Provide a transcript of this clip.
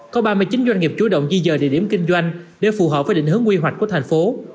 có ba mươi chín doanh nghiệp chủ động di dời địa điểm kinh doanh để phù hợp với định hướng quy hoạch của thành phố